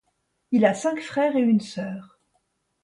Il a cinq frères et une sœur.